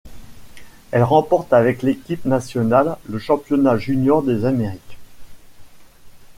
Elle remporte avec l'équipe nationale le championnat juniors des Amériques.